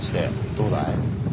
どうだい？